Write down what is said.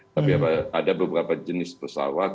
tapi ada beberapa jenis pesawat